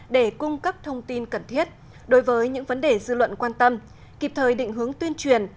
để cung cấp thông tin cần thiết đối với những vấn đề dư luận quan tâm kịp thời định hướng tuyên truyền